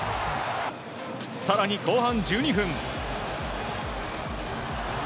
更に後半１２分。